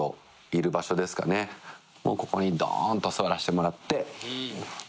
もうここにどんと座らしてもらって。